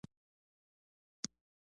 له ځینو سیمو سره گډې پولې لري